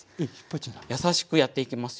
優しくやっていきますよ。